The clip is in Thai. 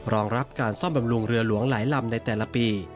รองรับการซ่อมบำรุงเรือหลวงหลายลำในแต่ละปี